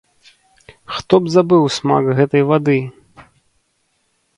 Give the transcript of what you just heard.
Хто б забыў смак гэтай вады?!